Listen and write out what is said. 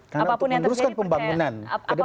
karena untuk menduruskan pembangunan ke depan